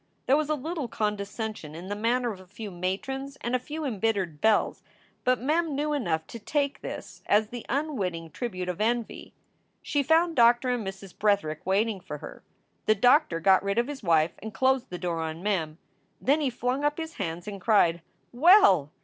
There was a little condescension in the man ner of a few matrons and a few embittered belles, but Mem knew enough to take this as the unwitting tribute of envy. She found Dr. and Mrs. Bretherick waiting for her. The doctor got rid of his wife and closed the door on Mem. Then he flung up his hands and cried: "Well!"